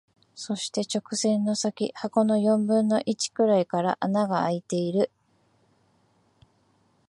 そして、直線の先、箱の四分の一くらいから穴が空いている。